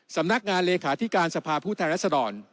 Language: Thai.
สำนักงานเลขาธิการสภาพุทธนาศดรณ์